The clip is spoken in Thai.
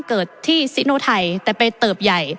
เกิดที่ซิโนไทยแต่ไปเติบใหญ่